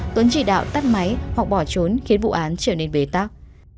tuấn chỉ đạo tắt máy hoặc bỏ trốn khiến vụ án trở nên bế tắc